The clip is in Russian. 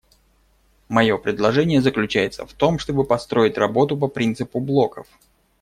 Мое предложение заключается в том, чтобы построить работу по принципу блоков.